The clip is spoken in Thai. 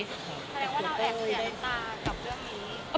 แสดงว่าเราแอบเสียน้ำตากับเรื่องนี้